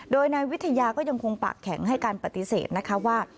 โดยนายวิทยาก็ยังคงปากแข็งให้การปฏิเสธนะคะว่า